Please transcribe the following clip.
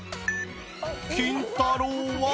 キンタロー。は